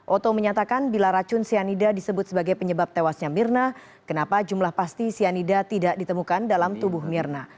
oto menyatakan bila racun cyanida disebut sebagai penyebab tewasnya mirna kenapa jumlah pasti cyanida tidak ditemukan dalam tubuh mirna